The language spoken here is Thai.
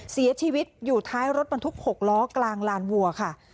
เสียชีวิตอยู่ท้ายรถบรรทุก๖ล้อกลางลานวัวค่ะ